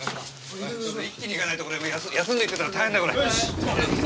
一気にいかないと休んでやってたら大変だ。